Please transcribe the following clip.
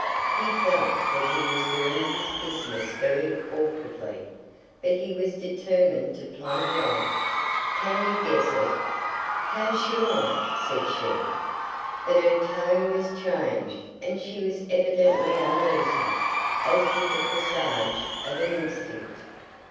(He felt that he was doing his business very awkwardly, but he was determined to plunge on.) "Can you guess it?" "How should I?" said she; but her tone was changed, and she was evidently uneasy, as with the presage of an instinct.